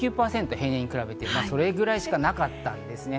平年に比べてそれぐらいしかなかったんですね。